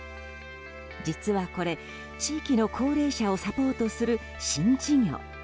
実はこれ、地域の高齢者をサポートする新事業。